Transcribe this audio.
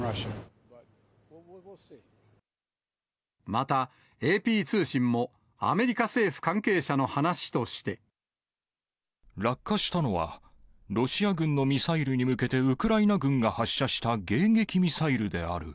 また、ＡＰ通信も、落下したのは、ロシア軍のミサイルに向けてウクライナ軍が発射した迎撃ミサイルである。